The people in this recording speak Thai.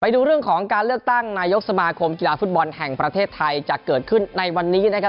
ดูเรื่องของการเลือกตั้งนายกสมาคมกีฬาฟุตบอลแห่งประเทศไทยจะเกิดขึ้นในวันนี้นะครับ